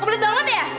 kebelet banget ya